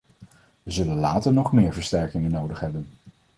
We zullen later nog meer versterkingen nodig hebben.